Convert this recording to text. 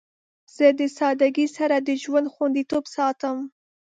زه د سادگی سره د ژوند خوندیتوب ساتم.